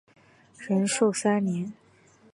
仁寿三年。